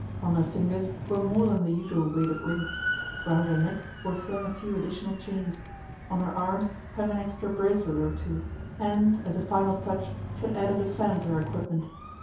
On her fingers were more than the usual weight of rings ; round her neck were flung a few additional chains ; on her arms hung an extra bracelet or two and, as a final touch, she had added a fan to her equipment.